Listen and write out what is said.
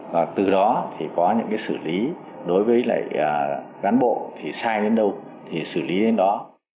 và từ đó thì có những cái xử lý đối với lại cán bộ thì sai đến đâu thì xử lý đến đó